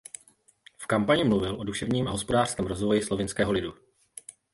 V kampani mluvil o duševním a hospodářském rozvoji slovinského lidu.